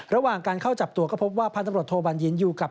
ระหว่างการเข้าจับตัวก็พบว่าพันธบรวจโทบัญญินอยู่กับ